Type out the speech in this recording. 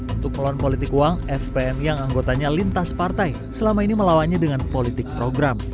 untuk melawan politik uang fpm yang anggotanya lintas partai selama ini melawannya dengan politik program